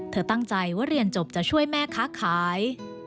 ตั้งใจว่าเรียนจบจะช่วยแม่ค้าขาย